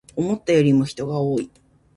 思ったよりも人が多い